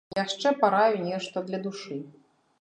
Яшчэ параю нешта для душы.